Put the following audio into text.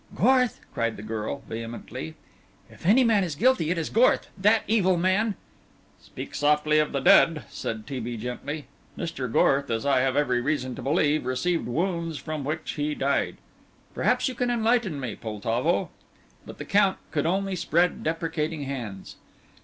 "Gorth!" cried the girl, vehemently. "If any man is guilty, it is Gorth that evil man " "Speak softly of the dead," said T. B. gently. "Mr. Gorth, as I have every reason to believe, received wounds from which he died. Perhaps you can enlighten me, Poltavo?" But the Count could only spread deprecating hands.